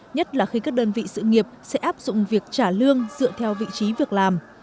nhất là khi các đơn vị sự nghiệp sẽ áp dụng việc trả lương dựa theo vị trí việc làm